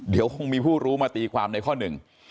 เดี๋ยวคงมีผู้รู้มาตีความในข้อหนึ่ง